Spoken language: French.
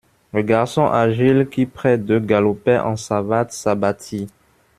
Le garçon agile qui, près d'eux, galopait en savates, s'abattit.